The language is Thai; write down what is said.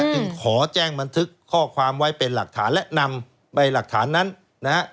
จึงขอแจ้งบันทึกข้อความไว้เป็นหลักฐานและนำใบหลักฐานนั้นนะฮะ